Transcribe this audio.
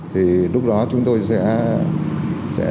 thì lúc đó chúng tôi sẽ